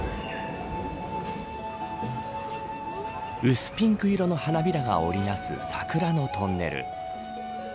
薄ピンク色の花びらが織りなす桜のトンネル。